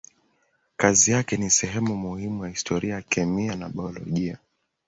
Kazi yake ni sehemu muhimu ya historia ya kemia na biolojia.